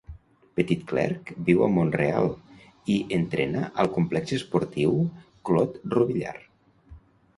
Petitclerc viu a Mont-real, i entrena al Complexe esportiu Claude-Robillard.